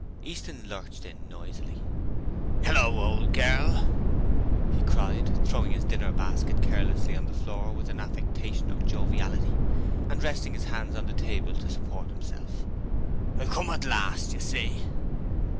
Easton lurched in noisily. ''Ello, old girl!' he cried, throwing his dinner basket carelessly on the floor with an affectation of joviality and resting his hands on the table to support himself. 'I've come at last, you see.'